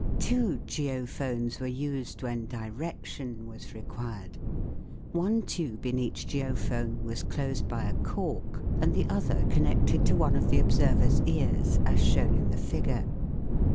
Two geophones were used when direction was required. One tube in each geophone was closed by a cork and the other connected to one of the observer's ears, as shown in the figure.